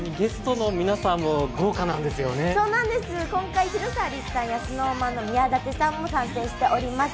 今回広瀬アリスさんやＳｎｏｗＭａｎの宮舘さんも参戦しております。